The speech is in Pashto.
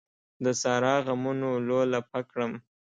د سارا غمونو لولپه کړم.